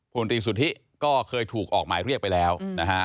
พลตรีสุธิก็เคยถูกออกหมายเรียกไปแล้วนะฮะ